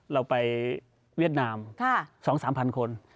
เราไปเวียดนาม๒๓๐๐คน